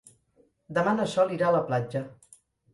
Demà na Sol irà a la platja.